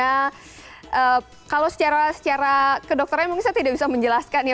nah kalau secara ke dokternya mungkin saya tidak bisa menjelaskan ya